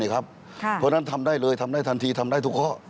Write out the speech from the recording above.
เพราะฉะนั้นทำได้เลยทำได้ทันทีทำได้ทุกข้อ